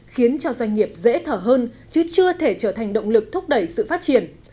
khiến cho doanh nghiệp dễ thở hơn chứ chưa thể trở thành động lực thúc đẩy sự phát triển